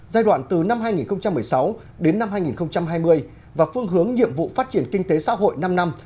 giai đoạn từ năm hai nghìn một mươi sáu đến năm hai nghìn hai mươi và phương hướng nhiệm vụ phát triển kinh tế xã hội năm năm